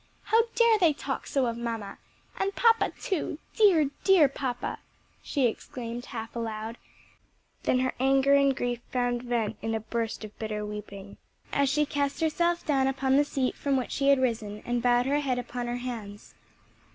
"How dare they talk so of mamma! and papa too, dear, dear papa!" she exclaimed half aloud; then her anger and grief found vent in a burst of bitter weeping as she cast herself down upon the seat from which she had risen, and bowed her head upon her hands.